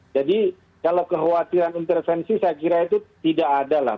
jadi kalau kekhawatiran intervensi saya kira itu tidak ada lah